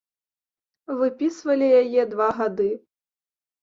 Выпісвалі яе два гады.